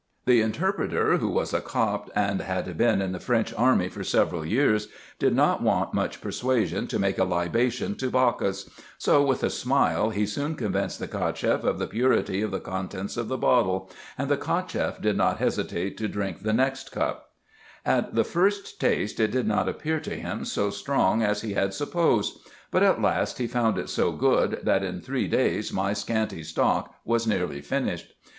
The interpreter, who was a Copt, and had been in the French army for several years, did not want much persuasion to make a libation to Bacchus ; so with a smile he soon convinced the Cacheff of the purity of the contents of the bottle, and the Cacheff did not hesitate to drink the next cup. IN EGYPT, NUBIA, &c. 99 At the first taste it did not appear to him so strong as he had sup posed; but at last he found it so good, that in three days my scanty stock was nearly finished.